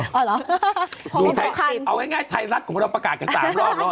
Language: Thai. อ้าวเหรอโมงกับขันเอาง่ายไทยรัฐของเราประกาศกัน๓รอบแล้ว